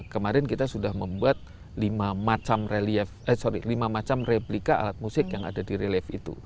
kemarin kita sudah membuat lima macam replika alat musik yang ada di relief itu